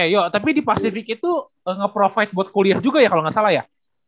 eh yo tapi di pasifik itu nge provide buat kuliah juga ya kalo gak salah ya